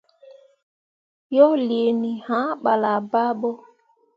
Yo liini, hã ɓala baaɓo.